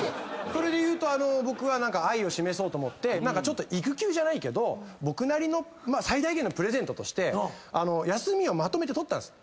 それで言うと僕は愛を示そうと思って育休じゃないけど僕なりの最大限のプレゼントとして休みをまとめて取ったんです。